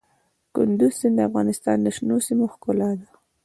کندز سیند د افغانستان د شنو سیمو ښکلا ده.